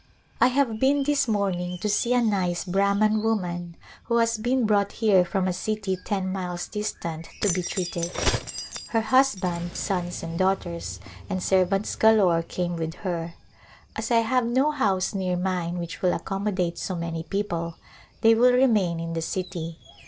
I have been this morning to see a nice Brahman woman who has been brought here from a city ten miles distant to be treated. Her husband, sons and daughters, and servants galore came with her. As I have no house near mine which will ac commodate so many people they will remain in the city.